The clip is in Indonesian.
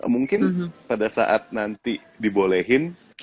mungkin pada saat nanti dibolehin